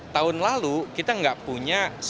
tahun lalu kita nggak punya